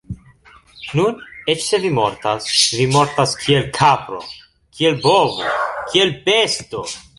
Nun, eĉ se vi mortas, vi mortas kiel kapro, kiel bovo, kiel besto.